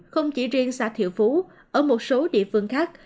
không chỉ riêng xã thiệu phú ở một số địa phương khác